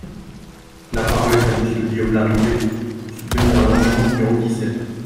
La parole est à Monsieur Guillaume Larrivé, pour soutenir l’amendement numéro dix-sept.